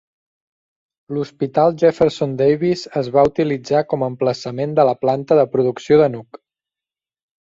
L'hospital Jefferson Davis es va utilitzar com a emplaçament de la planta de producció de Nuke.